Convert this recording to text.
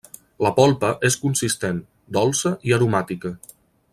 La polpa és consistent, dolça i aromàtica.